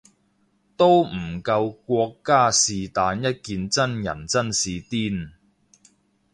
都唔夠國家是但一件真人真事癲